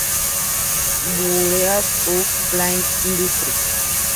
Bureau of plant industry.